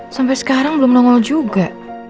sampai sekarang belum nongol juga